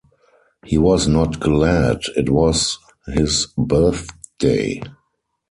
He was not glad it was his birthday.